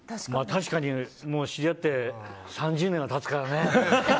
確かに知り合って３０年は経つからね。